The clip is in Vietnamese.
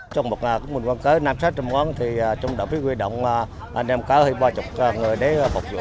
trong một quân cơ nam sát trong quán trong đội quyết động anh em có ba mươi người để phục vụ